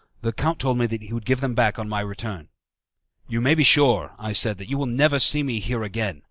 The count told me that he would give them back on my return. "You may be sure," I said, "that you will never see me here again.